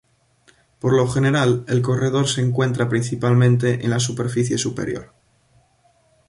Por lo general, el corredor se encuentra principalmente en la superficie superior.